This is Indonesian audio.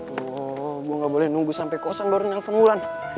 tuh gue gak boleh nunggu sampai kosan baru nelpon wulan